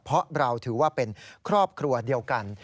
เพราะเราถือว่าเป็นครอบครัวเดียวกัน